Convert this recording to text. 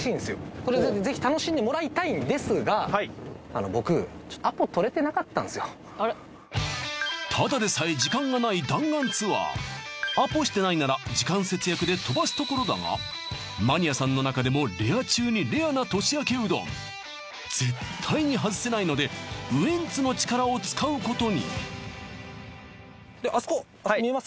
これぜひ楽しんでもらいたいんですがあの僕ただでさえ時間がない弾丸ツアーアポしてないなら時間節約で飛ばすところだがマニアさんの中でもレア中にレアな年明けうどん絶対に外せないのでウエンツの力を使うことにあそこ見えます？